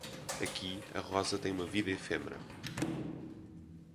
Aqui a rosa tem uma vida efêmera.